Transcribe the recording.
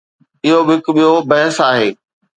اهو به هڪ ٻيو بحث آهي.